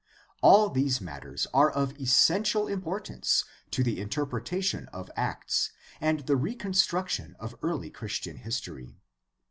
All these matters are of essential importance to the interpretation of Acts and the reconstruction of early Christian history.